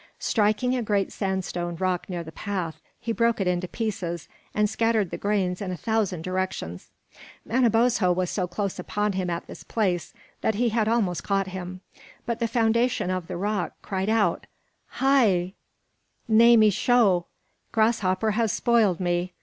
Striking a great sandstone rock near the path, he broke it into pieces, and scattered the grains in a thousand directions. Manabozho was so close upon him at this place that he had almost caught him; but the foundation of the rock, cried out: "Haye! Ne me sho, Grasshopper has spoiled me.